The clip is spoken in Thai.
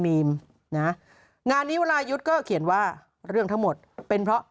มีมนะงานนี้วรายุทธ์ก็เขียนว่าเรื่องทั้งหมดเป็นเพราะ